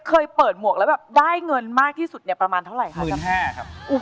เคยเปิดหมวกแล้วได้เงินมากที่สุดประมาณเท่าไหร่ครับ